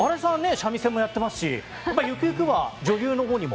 三味線もやってますしゆくゆくは女優のほうにも。